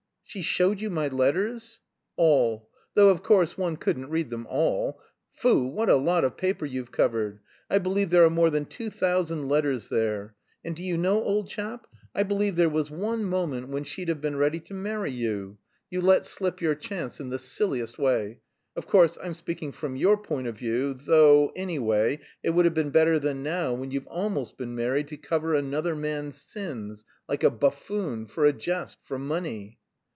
"She showed you my letters!" "All; though, of course, one couldn't read them all. Foo, what a lot of paper you've covered! I believe there are more than two thousand letters there. And do you know, old chap, I believe there was one moment when she'd have been ready to marry you. You let slip your chance in the silliest way. Of course, I'm speaking from your point of view, though, anyway, it would have been better than now when you've almost been married to 'cover another man's sins,' like a buffoon, for a jest, for money."